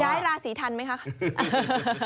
ย้ายราศีทันไหมคะ